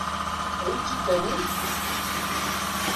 Ad iyi-t-id-tawimt?